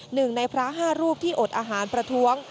หนึ่งในพระ๕รูปที่อดอาหารประท้วง